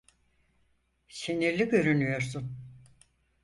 Sinirli görünüyorsun.